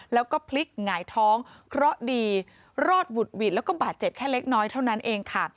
แล้วก็พลิกหงายท้องเพราะดีรอดหวุดหวิดแล้วก็บาดเจ็บแค่เล็กน้อยเท่านั้นเองค่ะ